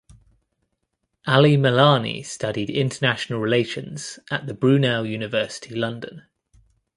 Ali Milani studied International Relations at the Brunel University London.